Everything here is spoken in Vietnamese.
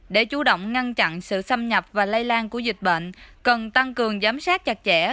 để chủ động ngăn chặn sự xâm nhập và lây lan của dịch bệnh cần tăng cường giám sát chặt chẽ